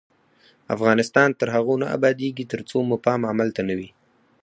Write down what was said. افغانستان تر هغو نه ابادیږي، ترڅو مو پام عمل ته نه وي.